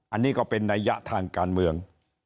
อันนี้ก็เป็นนัยยะทางการเมือง